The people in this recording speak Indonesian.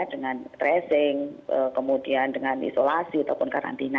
dengan tracing kemudian dengan isolasi ataupun karantina